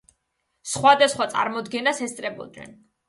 სხვადასხვა წარმოდგენას ესწრებოდნენ.